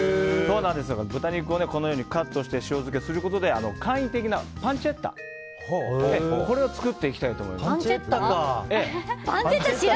豚肉をカットして塩漬けすることで簡易的なパンチェッタを作っていきたいと思います。